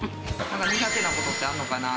苦手なことってあんのかなぁ？